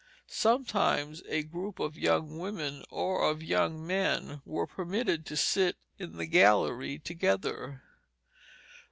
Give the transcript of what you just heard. Sometimes a group of young women or of young men were permitted to sit in the gallery together.